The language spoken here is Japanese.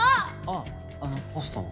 あっあのホストの。